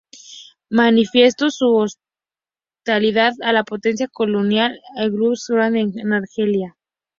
Manifestó su hostilidad a la política colonial de Guy Mollet en Argelia.